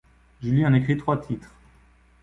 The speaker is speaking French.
Julie en écrit trois titres.